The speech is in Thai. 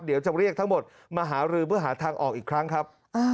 เดี๋ยวจะเรียกทั้งหมดมาหารือเพื่อหาทางออกอีกครั้งครับ